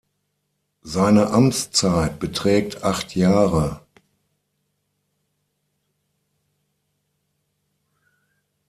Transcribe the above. Seine Amtszeit beträgt acht Jahre.